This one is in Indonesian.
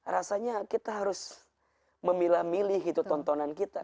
rasanya kita harus memilah milih gitu tontonan kita